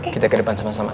kita ke depan sama sama